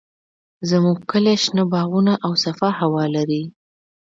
زموږ کلی شنه باغونه او صافه هوا لري.